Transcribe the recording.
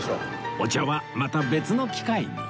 お茶はまた別の機会に